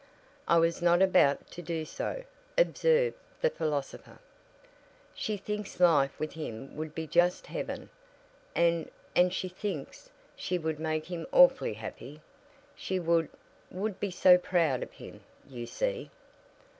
"I was not about to do so," observed the philosopher. "She thinks life with him would be just heaven; and and she thinks she would make him awfully happy. She would would be so proud of him, you see."